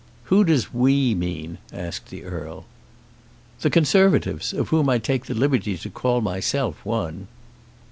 "Who does 'We' mean?" asked the Earl. "The Conservatives, of whom I take the liberty to call myself one."